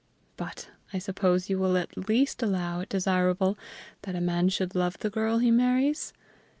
But I suppose you will at least allow it desirable that a man should love the girl he marries?